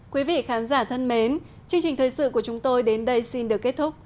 quý vị khán giả thân mến chương trình thời sự của chúng tôi đến đây xin được kết thúc